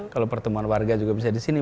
kalau pertemuan warga juga bisa disini